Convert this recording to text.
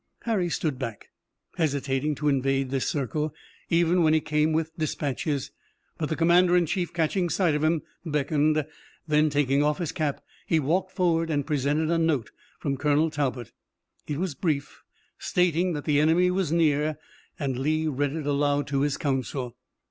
Harry stood back, hesitating to invade this circle, even when he came with dispatches, but the commander in chief, catching sight of him, beckoned. Then, taking off his cap, he walked forward and presented a note from Colonel Talbot. It was brief, stating that the enemy was near, and Lee read it aloud to his council.